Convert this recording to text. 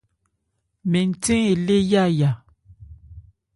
Mɛn nthɛ́n elé yáya.